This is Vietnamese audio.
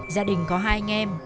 gia đình có hai anh em